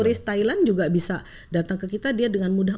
jadi turis thailand juga bisa datang ke kita dia dengan mudah